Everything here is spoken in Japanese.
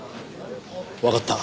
わかった。